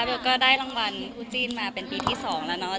ก็ได้รางวัลคู่จิ้นมาเป็นปีที่๒แล้วเนาะ